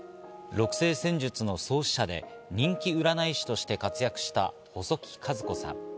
六星占術の創始者で人気占い師として活躍した細木数子さん。